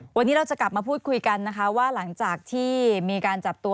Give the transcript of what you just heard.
วันนี้เราจะกลับมาพูดคุยกันนะคะว่าหลังจากที่มีการจับตัว